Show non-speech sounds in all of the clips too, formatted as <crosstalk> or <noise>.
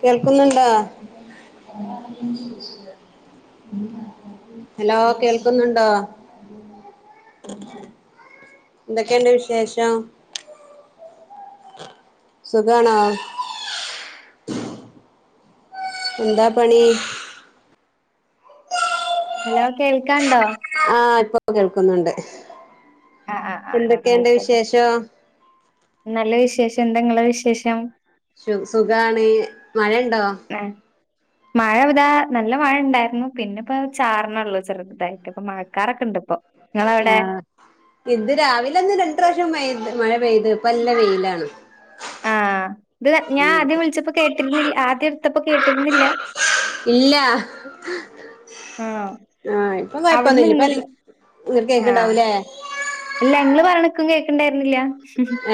കേൾക്കുന്നുണ്ടോ ഹലോ കേൾക്കുന്നുണ്ടോ എന്തൊക്കെയണ്ട് വിശേഷം സുഖണോ എന്താ പണി ഹലോ കേൾക്കാണ്ടോ ആ ഇപ്പൊ കേൾക്കുന്നുണ്ട് ആ ആ ആ ആ എന്തൊക്കെയുണ്ട് ആയിക്കോട്ടെ വിശേഷം നല്ല വിശേഷം ചന്തങ്ങളെ വിശേഷം സു സുഖാണ് മഴയണ്ടോ ആഹ് മഴ ഇതാ നല്ല മഴ ഇണ്ടായിരുന്നു പിന്നെ ഇപ്പ ചാരണേ ഉള്ളൂ ചെറു തായിട്ട് ഇപ്പ മഴക്കാാരൊക്കെ ഇണ്ട് ഇപ്പൊ ആ ഇങ്ങളവിടെ ഇത് രാവിലെ ഒന്നും രണ്ട പ്രാവശ്യംമായിൈല്ല മഴ പെയ്ത് ഇപ്പ നല്ല വെയിലാണ് ആ ഇത് ഞാൻ ഉം ആദ്യം വിളിച്ചപ്പോ കേട്ടിരുന്നില്ല ആദ്യ എടുത്തപ്പോ കേട്ടി ഇല്ല ആണോ ആ ഇപ്പൊ അവിടുന്ന് കൊഴപ്പൊന്നുമില്ല ഇപ്പ ഇങ്ങട് ഇങ്ങ കേ ആഹ് കേക്കണ്ടാവൂലേ അല്ല ങ്ങള് പറണക്കും കേൾക്കണ്ടായിരുന്നില്ല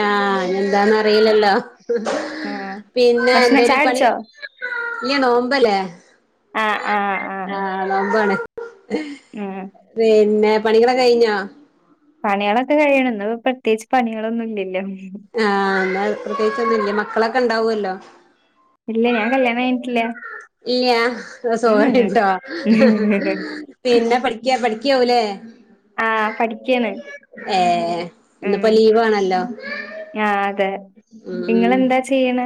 ആ എന്താന്ന അറിയിലല്ലോ ആഹ് പിന്നെ എന്ത ഭക്ഷണം ഒരു പണി ചായുടിച്ചോ ഇല്ല നോമ്പല്ലേ ആഹ് ആഹ് ആഹ് ആ നോമ്പാണ് ആഹ് പിന്നെ പണികളെ കഴിഞ്ഞാ പണികളൊക്കെ കഴിയണ പ്രത്യേകിച്ച് പണികളൊന്നും ഇല്ലല്ലോ ആ എന്നാ പ്രത്യേകിച്ചൊന്നുംില്ല മക്കളൊക്കെ ഇണ്ടാവുല്ലോ ഇല്ല ഞാ കല്യാണം കഴിഞ്ഞിട്ടില്ല ഇല്ല സോറി ട്ടോ പിന്നെ പഠിക്ക പഠി ഠിക്കിയാവു ല്ലേ ആഹ് പഠിക്കാണ് ഏ ഇന്നിപ്പോ ലീവ് ആണല്ലോ ആ അതെ നിങ്ങെളെന്താ ചെയ്യണ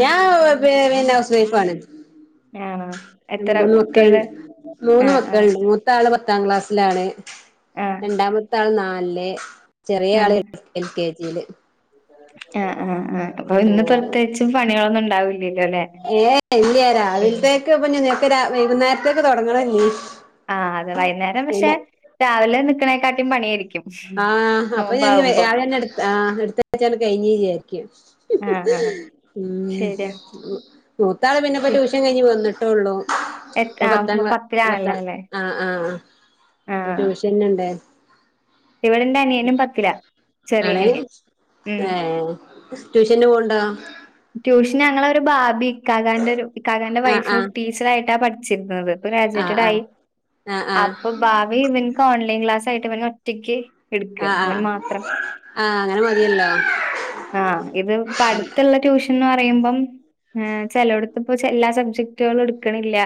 ഞാൻ വ ഹൗസ് വൈഫ ആണ് ആണോ എത്ര മൂന്ന് കുട്ടികള് മക്കളുണ്ട് മൂന്ന് ആഹ് ആഹ് മക്കളുണ്ട് മൂത്ത ആൾ പത്താം ക്ലാസ്സിലാണ് ആഹ് രണ്ടാമത്തെ ആൾ നാലില് ചെറിയ ആൾ എൽ കെ ജിൽ ആ ആ ആ അപ്പൊ ഇന്ന് ആഹ് പ്രത്യേകിച്ചും പണികളൊന്നും ഇണ്ടാവൂല്ല ഏ ഇല്ലയ രാവിലത്തേക്ക് ഇപ്പ ഞനക്ക്െ വൈകുന്നേരത്തേക്ക് തുടങ്ങണം ഞ്ഞി ആ അതെ വൈകുന്നേരം പക്ഷെ രാവിലെ നിക്കണേക്കാട്ടിയും പണിയായിരിക്കും ആ അപ്പൊ ഞാന നോമ്പാവുമ്പോ <unintelligible> ആന്നെ എടു ആ എടുത്തഴച്ച കഴിഞ്ഞഞ്ചാരിക്ക ആഹ് ആഹ് ഉം ശരിയാ മൂ ത്താൾ പിന്നെപ്പോ പി- ട്യൂഷൻ കഴിഞ്ഞ് വന്ന് എത്ര ഒരു പത്താം ആഹ് ക്ലാ പത്തിലാണല്ലോ പത്താം അല്ലെ ആ ആ ട്യൂഷൻുണ്ട് ഇവടെന്റെ അനിയനും പത്തില ചെറിയ ആണ് അനിയൻ ഉം ഏ ട്യൂഷന് പോണ്ടോ പിന്നെ ഞങ്ങളൊ ഒരു ബാബി ഇക്കാകാന്റെ ഒരു ഇക്കാകാന്റെ ആഹ് വൈഫ് ആഹ് ടീച്ചറ ആയിട്ടാ പഠിച്ചിരുന്നത് ആഹ് ഗ്രാജേറ്റഡ ആയി ആഹ് ആഹ് ആഹ് അപ്പൊ ഭാവി ഇവക്ക് ഓൺലൈൻ ക്ലാസ് ആയിട്ട് ഇവൻ ഒറ്റക്ക് ആ ആ ആ അങ്ങനെ മതിയല്ലോ ആ ഇത് പടുത്തുള്ള ട്യൂഷൻ ന്ന് പറയുമ്പം ചിലവിടത്ത്പ്പ ചല്ലാ സബ്ജക്ടുകളും എടുക്കണില്ല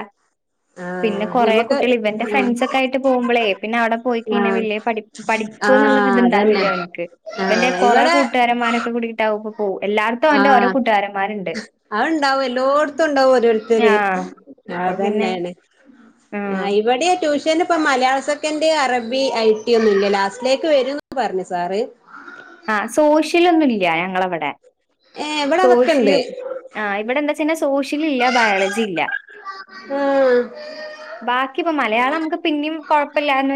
പിന്നെ ആഹ് കുറേ ഞമ്മക്ക് കുട്ടികൾ ഇവന്റെ ആഹ് ഫ്രണ്ട്സ ഒക്കെ ആയിട്ട് പോകുമ്പോളേ പിന്നെ അവിടെ പോയിക്ക ഇനെ ആഹ് വലിയ പഠി പഠിപ്പ എന്നുള്ള ആഹ് അതന്നെ ഇത്ണ്ടാവില്ലേ അവനക്ക് ഇപ്പറെ ആഹ് കൊറെേ ഇവിടെ കൂട്ടുകാരന്മാരൊക്കെ കൂടിട്ടാവും ഇപ്പ പോ എല്ലാർത്തും അവന്റെ ഓരോ കൂട്ടുകാരന്മാരുണ്ട് ാവും എല്ലോടത്തും ഉണ്ടാവും ഓരോരുത്തര് ആഹ് അപ്പൊ പിന്നെ അതന്നെ ആഹ് ഇവിടെ ടൂഷ ൻഇപ്പം മലയാള സെക്കന്റ് ട് അറബി ഐ ടി ഒന്നും ഇല്ല ലാസ്റ്റിലേക്ക് വരുംന്ന് പറഞ്ഞു സാർ ആഹ് സോഷ്യലൊന്നുംല്ല ഞങ്ങളവിടെ ഏഹ് ഇവിടെ അതൊക്കെ സോഷ്യല് ഇണ്ട് ആ ഇവിടെ എന്താച്ചന്നെ സ് സോഷ്യൽ ഇല്ല ബയോളജി ഇല്ല ആഹ് ബാക്കിപ്പോമലയാളം നമുക്ക് പിന്നിം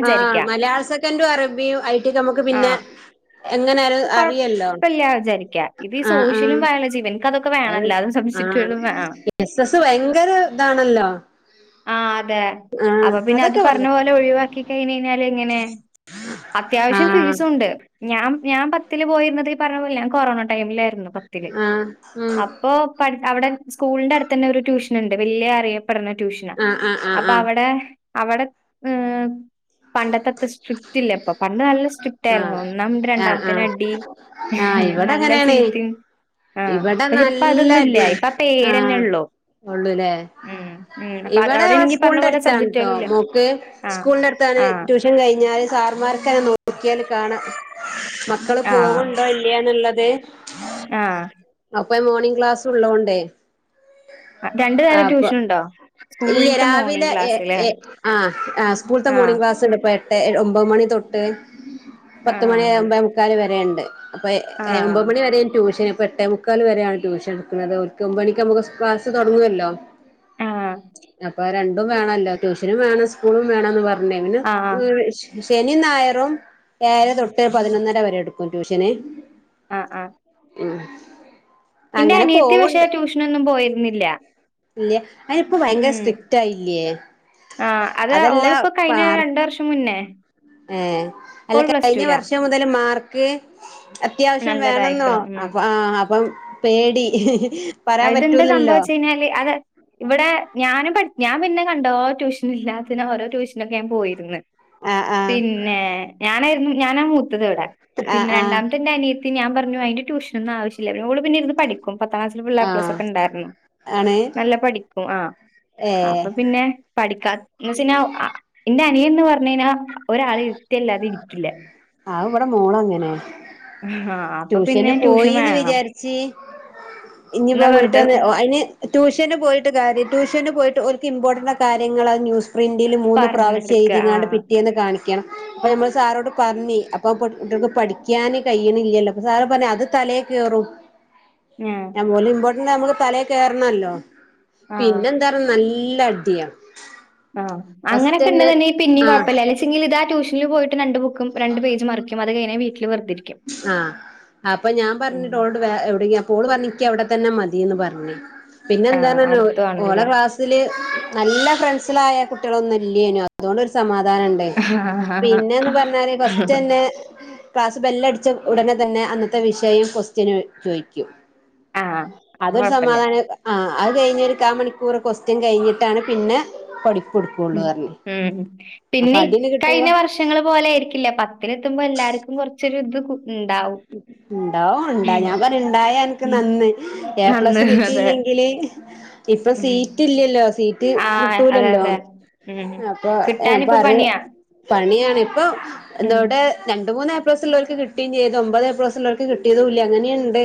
ആ മലയാള സെക്കൻറും അറബിയും ഐടി ഒക്കെ നമമ്മുക്ക് പിന്നെ ആഹ് എങ്ങനരു കൊഴ അറിയല്ലോ പ്പല്ല വിചാരിക്ക ഇത് ഈ ആ ആഔ സോഷ്യലും ബയോളജിയും എനിക്കതൊക്കെ വേണല്ലോ അതും ആ ഹ സബ്ജക്റ്റുകളും വേണം എസ് എസ് ഭയങ്കര ഇതാണല്ലോ ആ് അതെ ആഹ് അപ്പൊ പിന്നെ അത് അതൊക്കെ പറഞ്ഞ വന്നിട്ട് പോലെ ഒഴിവാക്കി കഴിഞ്ഞയ് ഞ എങ്ങനെ അത്യാവശ്യം ആഹ് ഫീസുണ്ട് ഞാൻ ഞാൻ പത്തില് പോയിരുന്നത്ീ പറഞ്ഞ പോല ഞാ കൊറോണ ടൈമിലായിര്ന്നു പത്തില് ആഹ് ഉം അപ്പൊ പട് അവ്ടെ സ്കൂൾ ന്റെ അടുത്തന്നെ ഒരു ട്യൂഷൻ ന്ന് ണ്ട് വലിയ അറിയപ്പെടുന്ന ട്യൂഷന ആഹ് ആഹ് അപ്പൊ ആഹ് അവിടെ അവിടെ ഏ പണ്ടത്തെത്തെ സ്ട്രിക്ട് ഇല്ല ഇപ്പൊ പണ്ട് നല്ല സ്ട്രിക്റ്റ് ആായിരുന്നു ഒന്നാമത് രണ്ടാം ആ ആഹ ഇവിടെ അങ്ങനെയാണ് ചീത്തയും ആഹ് ഇവിടെ പക്ഷെ ഇപ്പ അതൊന്നും ഇല്ല നല്ലടീം ഇപ്പ ആ പേരന്നെ ആഹ് ഉള്ളൂ ഉള്ളൂല്ലേ ഉം ഉം അപ്പൊ ഇവിടെ അവിടെയാണെങ്കി പറഞ്ഞ സ്കൂളിന്റെ പോലെ അടുത്താണ് ട്ടോ സബ്ജക്റ്റുകളില്ല മോക്ക് ആഹ് സ്കൂളിന്റെ അടുത്ത് <unintelligible> ആഹ് ട്യൂഷൻ കഴിഞ്ഞാല് സാർമാർക്കനെ നോക്കിയല് കാണാം മക്കള് ആഹ് പോകുന്നുണ്ടോ ഇല്ലയന്നുള്ളത് ആഹ് അപ്പ മോർണിംഗ് ക്ലാസ്ള്ളോണ്ടേ രണ്ടു നേരം ട്യൂഷൻ ഉണ്ടോ ഇല്ല സ്കൂളിലത്തെ രാവിലെ മോർണിംഗ് എ ക്ലാസ്ല്ലേ എ ആ ആ് സ്കൂൾ ത ആഹ് മോർണിംഗ് ക്ലാസ് ഉണ്ട് ഇപ്പോൾ എട്ട് ഒമ്പത് മണി തൊട്ട് പത്ത് ആഹ് മണി്ഒമ്പതെ മുക്കാൽ വരെണ്ട് അപ്പയ് ആഹ് ഒമ്പത് മണി വരെയ ട്യൂഷന് ഇപ്പോൾ എട്ടെ മുക്കാൻ ക്കാൽ വരെയാണ് ട്യൂഷൻ എടുക്കുന്നത് ഒരിക് ഒമ്പണിക്ക് നമുക്ക് ക്ലാസ്സ് തുടങ്ങുവല്ലോ ആഹ് ഇപ്പ രണ്ടും വേണല്ലോ ട്യൂഷനും വേണം സ്കൂളും വേണമെന്ന് പറഞ്ഞേ പിന്നെ ആഹ് ശനിയും ഞായറും ഏഴര തൊട്ട് പതിനൊന്നര വരെ എടുക്കും ട്യൂഷന് ആആ ഉം എന്റെ അനിയത്തി പക്ഷേ ട്യൂഷനൊന്നും പോയിരുന്നില്ല ഇല്ല അനിപ്പ ഭയങ്കര ഉം സ്ട്രിക്റ്റ് ആയില്ലേ അതെല്ലാം ന്നെ രണ്ട് വർഷം മുന്നേ ഏഹ് അല്ല ഇപ്പോൾ പ്ലസ് കഴിഞ്ഞ ടുലാ വർഷം മുതൽ മാർക്ക് അത്യാവശ്യം വേണെന്നോ നല്ലതായിക്കണു അ ഉം ആ അപ്പൊ പേടി പറയാൻ അഹ് തെന്താ പറ്റൂലല്ലോ സംഭവെച്ച് കഴിഞ്ഞാല് അത് ഇവിടെ ഞാൻ പഠ ഞാൻ പിന്നെ കണ്ടോ ട്യൂഷന ഇല്ലാത്തിന് ഓരോ ട്യൂഷനൊക്കെ ഞാൻ പോയിന്ന് ആഹ് ആഹ് പിന്നെ ഞാനായിരുന്നു ഞാനാ മൂത്തത് അവിടെ ആഹ് പിന്നെ ആഹ് രണ്ടാമത്തെ എന്റെ അനിയത്തി പിന്നെ ഞാൻ പറഞ്ഞു അയിന്റെ ട്യൂഷനൊന്നും ആവശ്യല്ല ഓള്പിന്നെ ഇരു ന്ന് പഠിക്കും പത്താംക്ലാസില് ഫുള്ള് എ പ്ലസ് ആഹ് ക്കെ ഉണ്ടായിരുന്നു ആണ് നല്ല പഠിക്കും ആ ഏഹ് അപ്പൊ പിന്നെ പഠിക്കാ വെച്ചയ്ഞ നീ ന്ന് പറഞഴിഞ്ഞാ ഒരാളെ ഇരുത്തിയല്ലാതെ രി ആഹ് ഇവിടെ മോള് അങ്ങനെയ ആഹ് അപ്പൊ ട്യൂഷന് പിന്നെ ട്യൂഷൻ പോയിന്ന് വേണം വിചാരിച്ച് എന്നാ ഇനിയിപ്പോ വീട്ടീന് വെറുതെ വന്ന് അയിന് ട്യൂഷന് പോയിട്ട് കാര്യട്യൂഷ ഷന് പോയിട്ട് ഒരുക്ക് ഇമ്പോർട്ടന്റ് കാര്യങ്ങളൾ അ ന്യൂസ് പ്രിന്റിൽ മൂന്ന് പ്രാവശ്യ പറഞ്ഞെടുക്ക എഴുതിങ്ങാണ്ട് ആഹ് പിറ്റേന്ന് കാണിക്കണം അപ്പ നമ്മൾ സാറോട് പറഞ്ഞി അപ്പൊ കുട്ടി. ക്ക് പഠിക്കാന് കഴിയണില്ലല്ലോ അപ്പൊ സാറ് പറഞ് അത് തലേ കേറും ആഹ് ഞാൻ പോലെ ഇമ്പോർട്ടന്റ് നമ്മുക്ക് തലയി കേയറണമല്ലോ ആഹ് പിന്നെ എന്താണ് നല്ല നല്ലടിയം <inaudible> ആഹ അങ്ങനൊക്കെ ഉണ്ടന് ഉണ്ടങ്കിൽ പിന്നയും ആഹ് കുഴപ്പമില്ല ഇതട്യൂഷനിൽ പോയിട്ട് രണ്ട് രണ്ട് പേജ്മറിക്കും അത് കഴഞ്ഞ വീട്ടിൽ വെറുതിരിക്കും ആഹ് അപ്പൊ ഞാൻ ഉം പറഞ്ഞിട്ട് ഓള് എവിടെ പോണമെന്ന് അവിടെ അവിടെതന്നെ മതിന്ന് പറഞ്ഞ് പിന്നെ എന്ത ആഹ് അടുത്തും ഓടെ ആണല്ലോ ക്ലാസ്സില് നല്ല ഫ്രണ്ട്സിലായ കുട്ടികളൊന്നുമില്ല്യ അതിനാത്ത്അതുകൊണ്ട് ഒരു സമാധാനം പിന്നെന്ന് പറഞ്ഞാല് ഫസ്റ്റ് തന്നെ ബെല്ലടിച്ച ഉടനെ തന്നെ അന്നത്തെ വിഷയം ക്വസ്റ്റ്യനായി ചോദിക്കും ആഹ് അപ്പൊ അതൊരു കൊഴപ്പല്ല സമാധാനം ആ അത് കഴിഞ്ഞഞ് ഒരു കാൽ മണിക്കൂറൊക്കെ കൊസ്റ്റ്യൻ കഴിഞ്ഞിട്ടാണ് പിന്നെ പടിപ്പിക്ക ഉ ഉം അപ്പൊ പിന്നെ അടിയൊക്കെ കിട്ടുമ്പോ കഴിഞ്ഞ വർഷങ്ങൾ പോലെ ആയിരിക്കില്ല പത്തില് ആകുമ്പോ എല്ലാർക്കും കുറച്ചൊരിത് ഉണ്ടാവും ഉണ്ടാ യഞാൻ പറ ഉണ്ടായ എനിക്ക് ഉം. നന്ന് എ നന്ന് പ്ലസ്സ് അതെ കിട്ടിയില്ലെങ്കില് ഇപ്പൊ സീറ്റ് ഇല്ലല്ലോ സീറ്റ് ആഹ് അതെ കിട്ടൂലല്ലോ അതെ ഉം അപ്പൊ കിട്ടാനിപ്പോ പ്പ പണിയാ പണിയാണ് ഇപ്പ ഉം ഇവിടെ രണ്ട് മൂന്ന് ഏപ്ലസ് ഉള്ളവർക്ക് കിട്ടുകയും ചെയ്തു ഒമ്പത് ഏപ്ലസ് ഉള്ളവർക്ക് കിട്ടിയതൂല്ല അങ്ങനെയുണ്ട്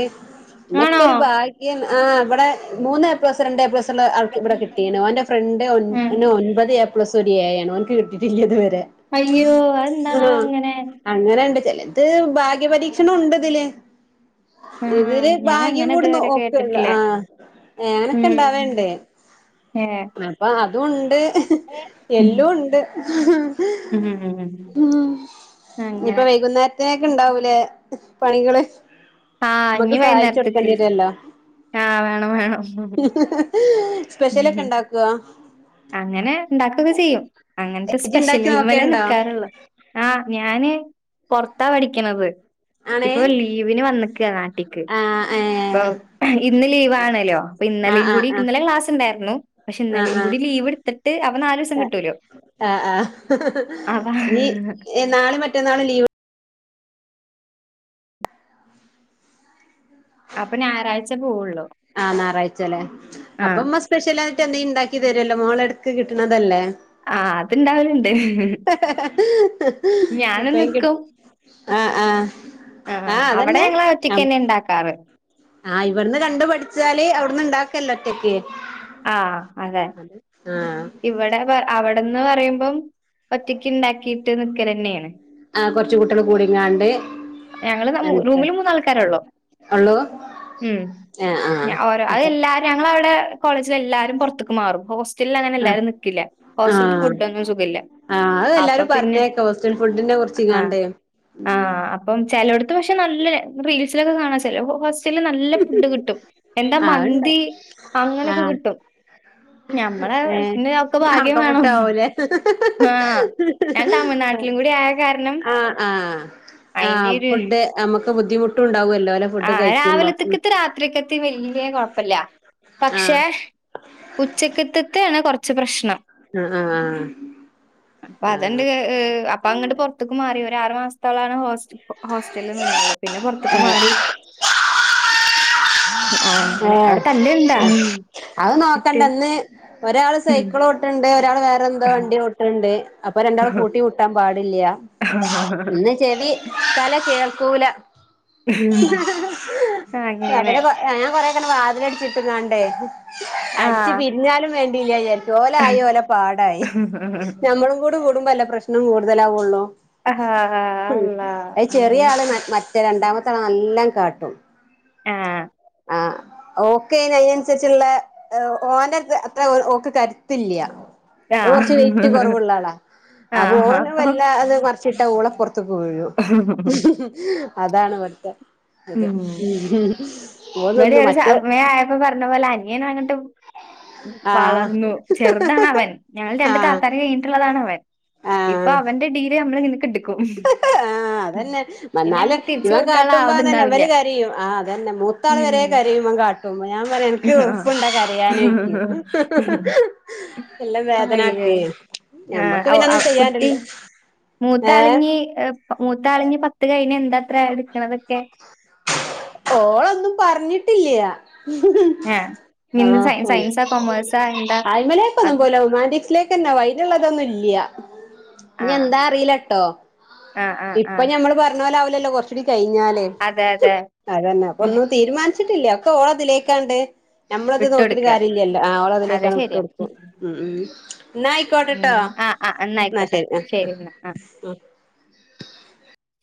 ആണോ ഇതിനൊക്കെ ഒരു ഭാഗ്യം ആഹ ഇവിടെ മൂന്ന് എ പ്ലസ് രണ്ട് എ പ്ലസ് ഉള്ള ആൾക്ക് ഇവിടെ കിട്ടി ഓന്റെ ഫ്രണ്ട് ഉം ഒൻപത് എ പ്ലസ് ഏപ്ലസ് ഒരു എ യാണ് അവനിക്ക് കിട്ടിട്ടില്ല ഇത് വരെ അയ്യോ അതെന്താണാവോ അങ്ങനെ അത് ഭാഗ്യപരീക്ഷണം ഉണ്ട തില് ആഹ് ഇതില് ഞാൻ ഭാഗ്യം അങ്ങനെ കൂടെ ന ഇതുവരെ നോക്കല്ല കേട്ടിട്ടില്ല ആ അങ്ങനൊക്കെ ഉം ണ്ടാവണ്ട് ഏഹ് അപ്പൊ അതു ണ്ട് എല്ലും ണ്ട് ഉം ഉം ഉം നിപ്പോ അങ്ങനെ വൈകുന്നേരത്തെക്ക് ഇണ്ടാവൂലേ പണികള് ആഹ് മ്മക്ക് സഹായിച് കൊടുക്കണ്ടി വരുല്ലോ ആ വേണം വേണം സ്പെഷ്യലൊക്കെ ഉം ഉണ്ടാക്കോ അങ്ങനെ ണ്ടാക്കൊക്കെ ചെയ്യും അങ്ങനത്തെ ഇജ്ജ് ഇണ്ടാക്കി സ്പെഷ്യൽൽമലെ നോക്കേണ്ടോ നിക്കാറുള്ളൂ ആ ഞാന് പൊറത്താ പഠിക്കണത് ആണേ ഇപ്പൊ ലീവിന് വന്നിക്കനാ ടിക്ക് ആഹ് പ്പോ ഏഹ് ഇന്ന് ലീവ് ആണലോ പ്പോ ആഹ് ഇന്നലെയും ആഹ് കൂടി ആഹ് ഇന്നലെ ക്ലാസ് ഉണ്ടായിരുന്നു പക്ഷെ ഇന്നലെ ആഹ് ആഹ് ലീവ് ടുത്തിട്ട് അപ്പോ നാല് സം കിട്ടൂലോ ആ ആ അപ്പൊ നീ നാള മറ്റന്നാളും ലീവ് അപ്പൊ ഞായറാഴ്ച പോവുള്ളു ആ ഞായറാഴ്ചലെ ആ അപ്പോ മ്മ സ്പെഷ്യൽ മറ്റെന്ത ണ്ടാക്കി തരുല്ലോ മോള എടക്ക് കിട്ടണതല്ലേ ആ അത്ണ്ടാവലണ്ട് ഭയങ്കട്ട് ആ ആ ആ അവിടെ ഞങ്ങള് ഒറ്റയ്ക്ക് ന്നെ ഇണ്ടാക്കാറ് ആഹ ഇവിടുന്ന് കണ്ടു പഠിച്ചാല് അവിടുന്ന് ണ്ടാക്കല്ലോ ഒറ്റക്ക് ആ അതെ ആഹ് ഇവിടെ അവടെന്ന് പറയുമ്പം ഒറ്റയ്ക്ക് ഉണ്ടാക്കിട്ട് നിക്കൽ ന്നണ് ആ കൊർച്ച കുട്ടികള് കൂടിങ്ങാണ്ട് ഞങ്ങള് എനക്ക് റൂമിൽ മൂന് ആൾക്കാരള്ളു ഉള്ളൂ ആഹ് ആഹ് മം ഓരോ അപ്പൊ അതെല്ലാരും ഞങ്ങളവടെ കോളേജിൽ എല്ലാരും പുറത്തേക്ക് മാറും ഹോസ്റ്റലിൽ അങ്ങനെ ആഹ് എല്ലാരും നിക്കില്ല ഹോസ്റ്റല ആഹ് ഫുഡ്ന്നും സുഖല്ല ആഹ് അത് അപ്പൊ എല്ലാരും പിന്നെ പറഞ്ഞേക്ക ഹോസ്റ്റൽ ഫുഡിനെ ആ കുറിച്ചിങ്ങാണ്ട് ആ ഉം അപ്പം ചിലോഡ് പക്ഷെ നല്ല റീൽസിലക്കെ കാണാ നല്ല ഫുഡ് കിട്ടും എന്താ ആഹ് അത്ണ്ട് മന്തി അങ്ങനെയൊക്കെ ആഹ് കിട്ടും ഞമ്മളെ ഒക്കെ ഭാഗ്യം ആക്ക മുട്ട വേണം. ആവൂലേ ആ ഞാൻ തമിഴ്നാട്ടിലും കൂടി ആയ കാരണം ആ ആ ആ അയിന്റെ ഒരു ഫുഡ് നമുക്ക് ബുദ്ധിമുട്ട് ഉണ്ടാവല്ലോ ഓലെ ഫുഡ് കഴിക്കുമ്പോ ഉം രാത്രികത്തെ വലിയ കുഴപ്പല്ല ആഹ് പക്ഷെ ഉച്ചക്കത്ത്തെ കോറച്ച് പ്രശ്നം ആ ആ പ്പോ അതണ്ട് അപ്പൊ അങ്ങട്ട് പോറത്ക് മാറി ഒ ആറു മാസത്തോളാണ് ഹോ ഹോസ്റ്റലിൽ നിന്നള്ളൂ പിന്നെപൊറത്ത്ക്ക് മാറി ആ അങ്ങനെ ആഹ് അവിടെ തല്ല ഇണ്ടാ ഏഹ് അത് നോക്കണ്ട ന്ന് ഒരാള് സൈക്കിൾ ഓട്ട്ണ്ട് റ്റാള് വേറെ എന്തോ വണ്ടി ഓട്ട്ണ്ട് അപ്പ രണ്ടാളും കൂട്ടിമുട്ടാൻ പാ ഇന്ന് ചെവി തല കേൾക്കൂല അങ്ങനെ അവരെ കൊറെക്കനെ വാതിലടിച്ചിട്ടങ്ങണ്ടേ ആ അടിച്ച് പിരിഞ്ഞാലും വേണ്ടില്ലയ യിരിക്കും ഓലായി ഓല പാടായി നമ്മളും കൂടെ കൂടുമ്പോ അല്ലെ പ്രശ്നം കൂടുതലാവുള്ളൂ ആ അള്ളാ അ ചെറിയ അങ്ങനെ ആള് മറ്റേ രണ്ടാമ ത്ത നല്ലം കാട്ടും ആ ആ ഓക്കേന് അതിനനുസരിച്ചുള്ള ഓന അത്ര ഓക്ക് കരുത്തില്ല ആ ഓൾ കുറച്ച് വെയിറ്റ് കൊറവുള്ള ആളാ ആ അപ്പൊ അപോവല്ലാതെ മറിച്ചി ഓളപോറത്ത്ക്ക് വീഴും അതാണ് ഇവിട്ത്തെ ഇത് ഉം ഓള് നിന്ന് ഇവിടെ മറ്റോ സമയാ ആയപ്പോ പറഞ്ഞ പോലെ അനിയനാണ് ആഹ് വളർന്നു ചെറുതാണ് അവൻ ഞങ്ങൾ രണ്ട് ആഹ് താത്താർ കഴിഞ്ഞിട്ടുള്ളതാണ് അവൻ ഇപ്പൊ അവന്റെ ടീൽ നമ്മള്നിക്കണ്ട് ആഹ അതന്നെ പിന്നെ മന്നാല് നമുക്ക് തിരിച്ചു ഇവൻ കൊടുക്കാനുള്ള കാട്ടുമ്പ ന്നെ ആവതുണ്ടാവില്ല വല് കരിയും ആ അതന്നെ മൂത്താൾ വരെ ഉം കരയുമ കാട്ടും ഞൻ പറയാ എനിക്ക് ഉളപ്പുണ്ട കരയാനും എല്ലാം അയ്യോ വേദനാകേ ഞമ്മക്ക് പിന്നെ ഒന്നും ചെയ്യാനല്ലോ മൂത്താളിഞ്ഞ് മൂത്തളിഞ് പത്ത് കഴിഞ്ഞ എന്താത്ര എടുക്കണതൊക്കെ ഓളൊന്നും പറഞ്ഞിട്ടില്ലയ ആഹ് എന്ത് സയ ആഹ സയൻസാ കൊമേഴ്സാ എന്താ ആായ്മലേക്ക ഒന്നും അത് പോല ഉ മാന്റിക്സിലേക്ക്ന്നാ വൈലുള്ളതൊന്നും ഇല്ല ഞ ആഹ് എന്താ അറിയിലട്ടോ ആഹ് ആഹ് ഇപ്പൊ ആഹ് ഞമ്മള് പറഞ്ഞ പോലൊവലല്ലോ കൊറ കഴിഞ്ഞാലേ അതെ അതെ അതന്നെ അപ്പ ഉം ഒന്നും തീരുമാനിച്ചിട്ടില്ല ഒക്കെ ഓളതിലേക്കാണ്ട് നമ്മളത് നോക്കിട്ട് വിട്ടൊടുക്ക കാര്യല്ലല്ലോ ഓള അതെ തിലേക്കാണ്ട് ട്ട് ശരിയാ കൊടുക്കും ഉം ഉം ന്നാ ആയിക്കോട്ടട്ടോ ഉം ആഹ് ആഹ് ന്നാ എന്നായിക്കോട്ടെ ശരി ആആ എന്നാ ആഹ് <unintelligible>